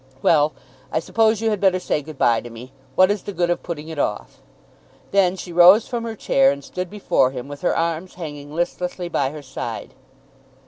Well; I suppose you had better say good bye to me. What is the good of putting it off?" Then she rose from her chair and stood before him with her arms hanging listlessly by her side.